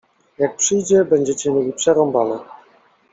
Jak przyjdzie, będziecie mieli przerąbane.